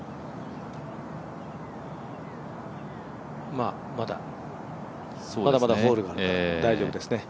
まあまだまだホールがあるから大丈夫ですね。